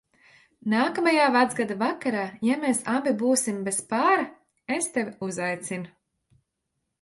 Nākamajā Vecgada vakarā, ja mēs abi būsim bez pāra, es tevi uzaicinu.